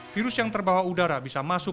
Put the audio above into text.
virus yang terbawa udara bisa masuk